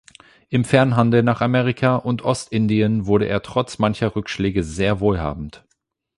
Im Fernhandel nach Amerika und Ostindien wurde er trotz mancher Rückschläge sehr wohlhabend.